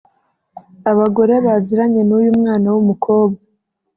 Abagore baziranye n’uyu mwana w’umukobwa